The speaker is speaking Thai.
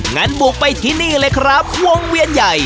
งั้นบุกไปที่นี่เลยครับวงเวียนใหญ่